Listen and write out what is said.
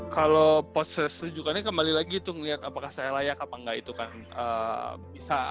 kalau poskes rujukannya kembali lagi itu melihat apakah saya layak atau tidak